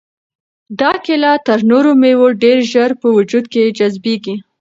دا کیله تر نورو مېوو ډېر ژر په وجود کې جذبیږي.